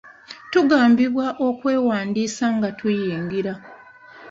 Tugambibwa okwewandiisa nga tuyingira.